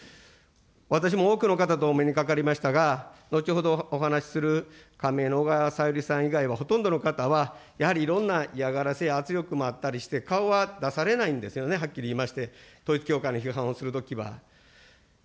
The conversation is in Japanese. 私も多くの方とお目にかかりましたが、後ほどお話する仮名のおがわさゆりさん以外はほとんどの方は、やはりいろんな嫌がらせや圧力もあったりして、顔は出されてないんですよね、はっきり言いまして、統一教会の批判をするときは。